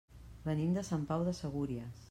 Venim de Sant Pau de Segúries.